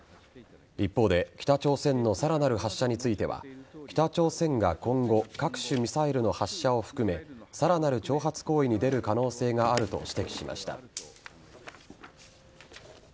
一方で北朝鮮のさらなる発射については北朝鮮が今後各種ミサイルの発射を含めさらなる挑発行為に出る可能性があると指摘しました。